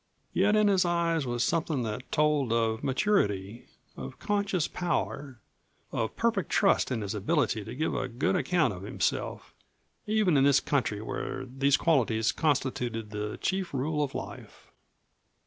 Yet in his eyes was something that told of maturity, of conscious power, of perfect trust in his ability to give a good account of himself, even in this country where these qualities constituted the chief rule of life.